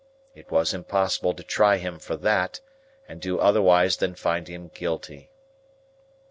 It was impossible to try him for that, and do otherwise than find him guilty.